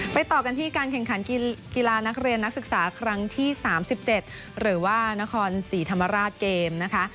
ต่อกันที่การแข่งขันกีฬานักเรียนนักศึกษาครั้งที่๓๗หรือว่านครศรีธรรมราชเกมนะคะ